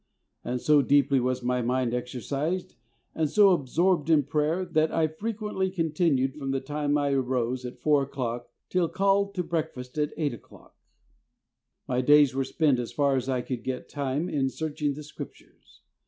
And so deeply was my mind exercised, and so absorbed in prayer, that I frequently continued from the time I arose at 4 o'clock, till called to breakfast at 8 o'clock. My days were spent as far as I could get time, in search ing the Scriptures.